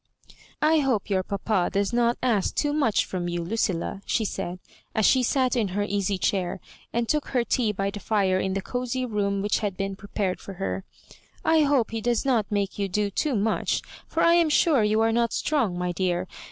" I hope your papa does not ask too much from you, Lucilla,'' she said, as she sat in her easy chair, and took her tea by the fire in the cozy room which had heeu prepared for her. "I hope he does not make you do too much, for I am sure you are not strong, my dear.